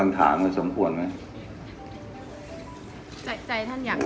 ใจท่านอยากเทียบอภัยไหมครับ